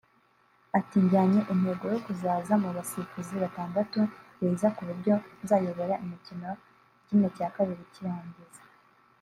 Ati” Njyanye intego yo kuzaza mu basifuzi batandatu beza ku buryo nzayobora imikino ya ½ cy’irangiza